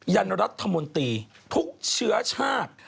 ยันรัฐมนตรีทุกเชื้อชาติ